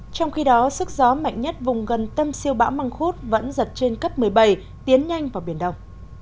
trong khi đó sức gió mạnh nhất vùng gần tâm siêu bão măng khuất vẫn giật trên cấp một mươi bảy tiến nhanh vào biển đông